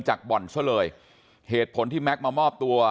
บ่อนซะเลยเหตุผลที่แก๊กมามอบตัว